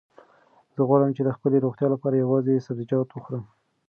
زه غواړم چې د خپلې روغتیا لپاره یوازې سبزیجات وخورم.